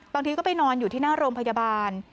บางทีก็ไปนอนอยู่ที่หน้าโรงพยาบาล